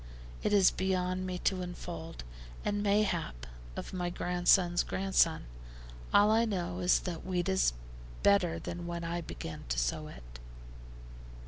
It is beyond me to unfold, and mayhap of my grandson's grandson. All I know is that wheat is better than when I began to sow it.